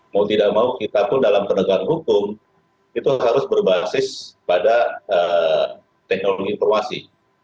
mau tidak mau kita pun dalam penegakan hukum itu harus berbasis pada teknologi informasi